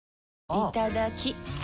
いただきっ！